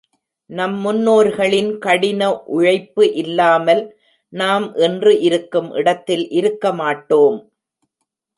நம் முன்னோர்களின் கடின உழைப்பு இல்லாமல் நாம் இன்று இருக்கும் இடத்தில் இருக்க மாட்டோம்.